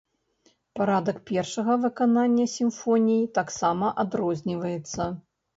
Парадак першага выканання сімфоній таксама адрозніваецца.